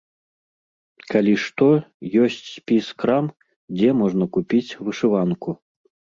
Калі што, ёсць спіс крам, дзе можна купіць вышыванку.